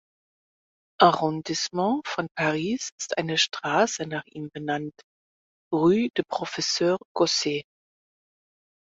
Arrondissement von Paris ist eine Straße nach ihm benannt (Rue de Professeur Gosset).